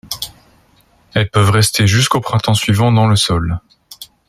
Elles peuvent rester jusqu'au printemps suivant dans le sol.